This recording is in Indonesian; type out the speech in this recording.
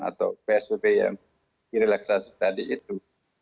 atau psbb yang direlaksasi tadi itu